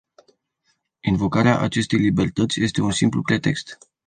Invocarea acestei libertăți este un simplu pretext.